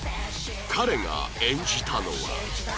彼が演じたのは